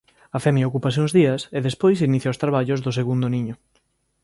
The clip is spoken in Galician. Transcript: A femia ocúpase uns días e despois inicia os traballos do segundo niño.